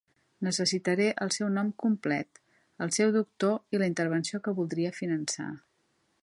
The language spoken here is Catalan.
Necessitaré el seu nom complet, el seu doctor i la intervenció que voldria finançar.